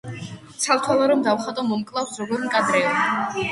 ცალთვალა რომ დავხატო, მომკლავს, როგორ მკადრეო;